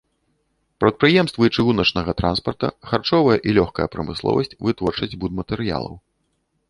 Прадпрыемствы чыгуначнага транспарта, харчовая і лёгкая прамысловасць, вытворчасць будматэрыялаў.